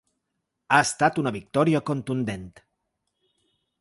Ha estat una victòria contundent.